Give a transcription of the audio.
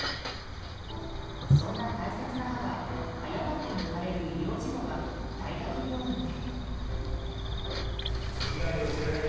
そんな大切な歯が誤って抜かれる医療事故が大学病院で。